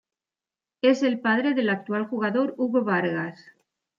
Es el padre del actual jugador Hugo Bargas.